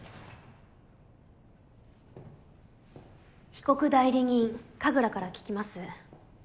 被告代理人神楽から聞きます。